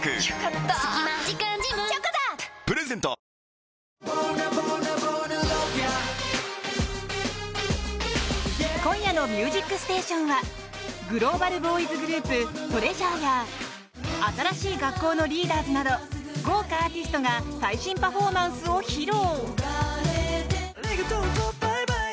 でも警護のグリフィンさんも会話もウィットに富んでいて今夜の「ミュージックステーション」はグローバルボーイズグループＴＲＥＡＳＵＲＥや新しい学校のリーダーズなど豪華アーティストが最新パフォーマンスを披露！